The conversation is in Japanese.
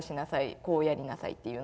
こうやりなさいっていうの。